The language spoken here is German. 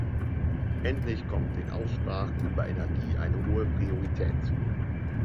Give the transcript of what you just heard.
Endlich kommt den Aussprachen über Energie eine hohe Priorität zu.